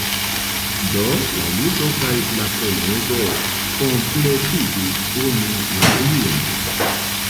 Do, la libro kaj la prelego kompletigis unu la alian.